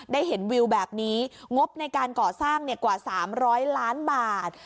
ได้เห็นวิวแบบนี้งบในการก่อสร้างกว่า๓๐๐ล้านบาท